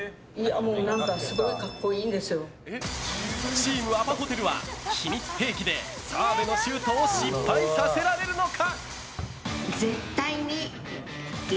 チームアパホテルは秘密兵器で澤部のシュートを失敗させられるのか。